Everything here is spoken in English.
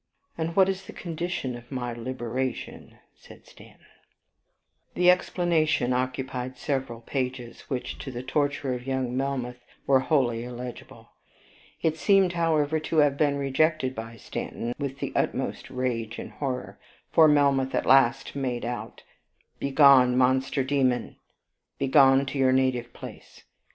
and what is the condition of my liberation?" said Stanton. ..... The explanation occupied several pages, which, to the torture of young Melmoth, were wholly illegible. It seemed, however, to have been rejected by Stanton with the utmost rage and horror, for Melmoth at last made out, "Begone, monster, demon! begone to your native place.